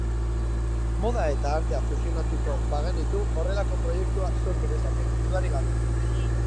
Moda eta artea fusionatuko bagenitu horrelako proiektua sor genezake, dudarik gabe.